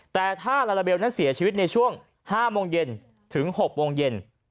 แต่ถ้าลาลาเบลเสียชีวิตในช่วง๕๖โมงเย็น